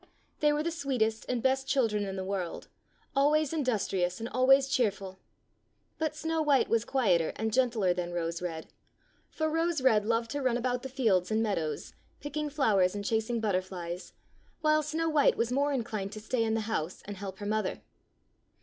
They were the sweetest and best children in the world, always industrious and always cheerful. But Snow white was quieter and gentler than Rose red, for Rose red loved to run about the fields and meadows, picking flowers and chasing butterflies, while Snow white was more inclined to stay in the house and help her mother.